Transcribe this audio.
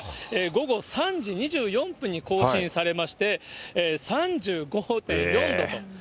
午後３時２４分に更新されまして、３５．４度と。